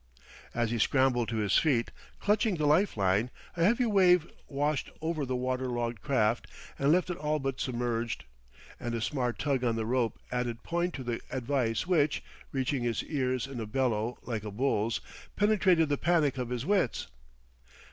As he scrambled to his feet, clutching the life line, a heavy wave washed over the water logged craft and left it all but submerged; and a smart tug on the rope added point to the advice which, reaching his ears in a bellow like a bull's, penetrated the panic of his wits.